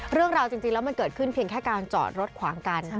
เรื่องราวจริงแล้วมันเกิดขึ้นเพียงแค่การจอดรถขวางกัน